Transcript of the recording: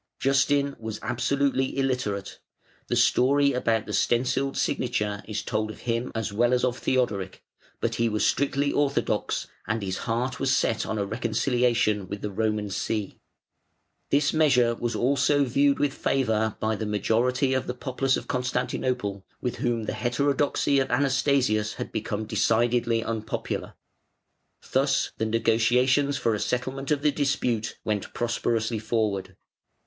Justin was absolutely illiterate the story about the stencilled signature is told of him as well as of Theodoric, but he was strictly orthodox, and his heart was set on a reconciliation with the Roman See. This measure was also viewed with favour by the majority of the populace of Constantinople, with whom the heterodoxy of Anastasius had become decidedly unpopular. Thus the negotiations for a settlement of the dispute went prosperously forward.